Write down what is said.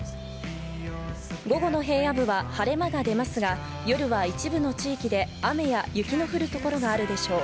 午後の平野部は晴れ間が出ますが、夜は一部の地域で、雨や雪の降る所があるでしょう。